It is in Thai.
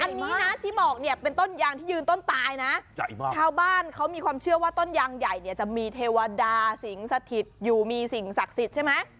อันนี้นะที่บอกเนี่ยเป็นต้นยางที่ยืนต้นตายนะชาวบ้านเขามีความเชื่อว่าต้นยางใหญ่เนี่ยจะมีเทวดาสิงสถิตอยู่มีสิ่งศักดิ์สิทธิ์ใช่ไหม